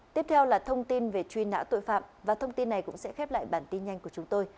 tiếp theo là thông tin về truy nã tội phạm và thông tin này cũng sẽ khép lại bản tin nhanh của chúng tôi